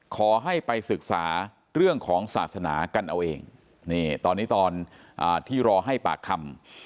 ขอให้ไปศึกษาเรื่องของศาสนากันเอาเองนี่ตอนนี้ตอนที่รอให้ปากคำ